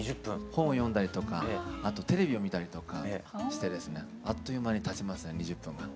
本を読んだりとかあとテレビを見たりとかしてですねあっという間にたちますね２０分が。